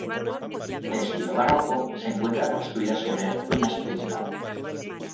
De estilo barroco, se encuentra construida sobre ruinas prehispánicas.